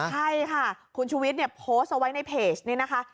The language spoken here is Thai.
ใช่ค่ะคุณชุวิตเนี่ยโพสต์เอาไว้ในเพจนี้นะคะ